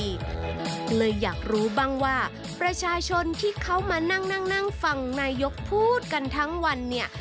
ก็เลยอยากรู้บ้างว่าประชาชนที่เขามานั่งนั่งฟังนายกพูดกันทั้งวันเนี่ย